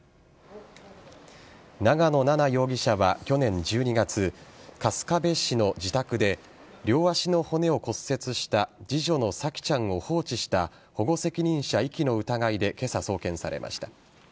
長野奈々容疑者は去年１２月春日部市の自宅で両足の骨を骨折した次女の沙季ちゃんを放置した保護責任者遺棄の疑いで今朝、送検されました。